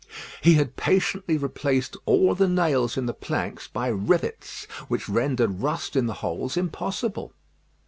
He had patiently replaced all the nails in the planks by rivets; which rendered rust in the holes impossible.